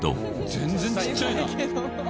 全然ちっちゃいな。